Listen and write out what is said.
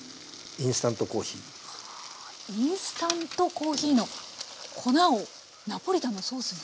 インスタントコーヒーの粉をナポリタンのソースに。